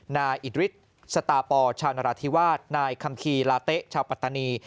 นายอิดฤทธิ์สตาปอชาวนราธิวาสนายคัมคีลาเต๊ะชาวปัตตานี